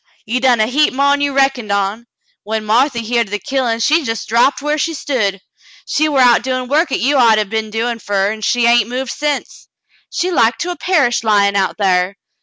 You done a heap mo'n you reckoned on. When Marthy heered o' the killin', she jes' drapped whar she stood. She war out doin' work 'at you'd ought to 'a' been doin' fer her, an' she hain't moved sence. She like to 'a' perished lyin' out thar.